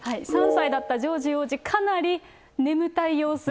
３歳だったジョージ王子、かなり眠たい様子。